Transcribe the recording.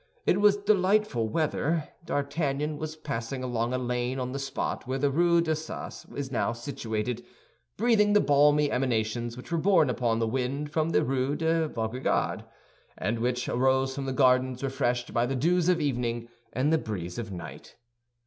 It was delightful weather. D'Artagnan was passing along a lane on the spot where the Rue d'Assas is now situated, breathing the balmy emanations which were borne upon the wind from the Rue de Vaugirard, and which arose from the gardens refreshed by the dews of evening and the breeze of night.